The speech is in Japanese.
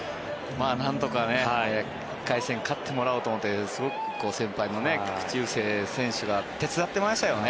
なんとか１回戦勝ってもらおうと思って先輩の菊池雄星選手が手伝ってましたよね。